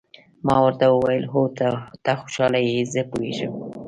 ما ورته وویل: هو، ته خوشاله یې، زه پوهېږم.